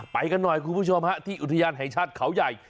ไปกันหน่อยคุณผู้ชมฮะที่อุทยานแห่งชาติเขาใหญ่